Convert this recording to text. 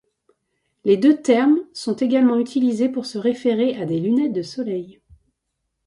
Les deux termes sont également utilisés pour se référer à des lunettes de soleil.